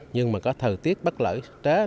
nhưng mà có thời tiết bất lợi chế